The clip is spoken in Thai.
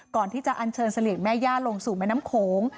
ก่อนที่จะอันเชิญเสลี่ยงแม่ย่าลงสู่แม่น้ำโขง